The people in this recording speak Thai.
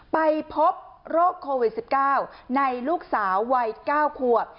ไปพบโรคโควิด๑๙ในลูกสาววัย๙ขวบ